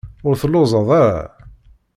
Ur telluẓeḍ ara?